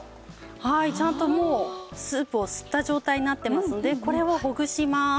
ちゃんともうスープを吸った状態になってますのでこれをほぐします。